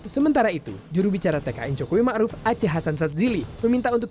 sementara itu jurubicara tkn jokowi ma'ruf aceh hasan satzili meminta untuk